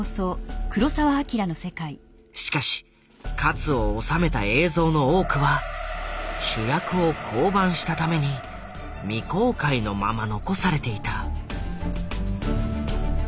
しかし勝を収めた映像の多くは主役を降板したために未公開のまま残されていた。